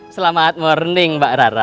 selamat morning mbak rara